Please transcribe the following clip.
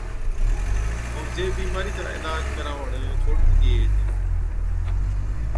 ائُون جي بِيمارِي چا عِلاج ڪراوَڻ ڇوڙتِي ڏِيئي هِتين۔